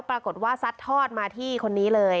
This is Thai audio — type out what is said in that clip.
ปรากฏว่าซัดทอดมาที่คนนี้เลย